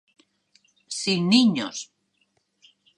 Sin niños.